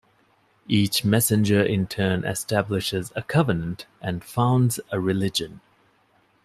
Each messenger in turn establishes a covenant and founds a religion.